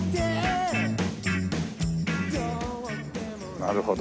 なるほど。